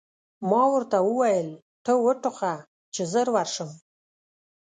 ما ورته وویل: ته و ټوخه، چې ژر ورشم.